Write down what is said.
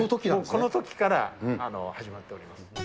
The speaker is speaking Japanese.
このときから始まっております。